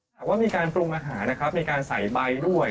หากว่ามีการปรุงอาหารนะครับในการใส่ใบด้วย